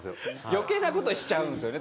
余計な事しちゃうんですよね。